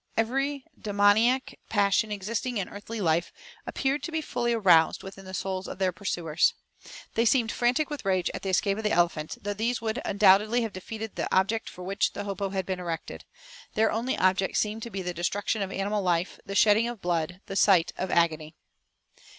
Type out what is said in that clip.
Every demoniac passion existing in earthly life appeared to be fully aroused within the souls of their pursuers. They seemed frantic with rage at the escape of the elephants, though these would undoubtedly have defeated the object for which the hopo had been erected. Their only object seemed to be the destruction of animal life, the shedding of blood, the sight of agony.